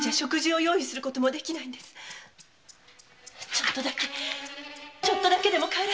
ちょっとだけちょっとだけでも帰らせてください。